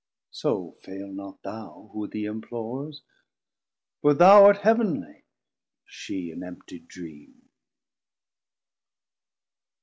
So fail not thou, who thee implores: For thou art Heav'nlie, shee an empty dreame.